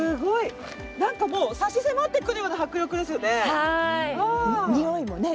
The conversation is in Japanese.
差し迫ってくるような迫力ですよね。